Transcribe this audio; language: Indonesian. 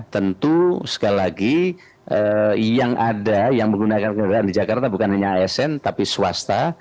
tentu sekali lagi yang ada yang menggunakan kendaraan di jakarta bukan hanya asn tapi swasta